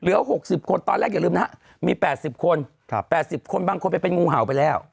เหลือ๖๐คนตอนแรกอย่าลืมนะครับมี๘๐คน๘๐คนบางคนไปเป็นงูเห่าไปแล้ว